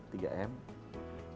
kalau kita patuh